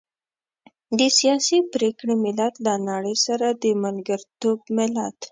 د سياسي پرېکړې ملت، له نړۍ سره د ملګرتوب ملت.